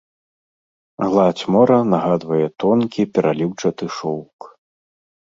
Гладзь мора нагадвае тонкі пераліўчаты шоўк.